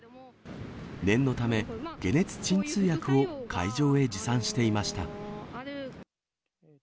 念のため、解熱鎮痛薬を会場へ持参していました。